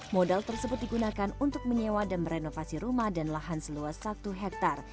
modal tersebut digunakan untuk menyewa dan merenovasi rumah dan lahan seluas satu hektare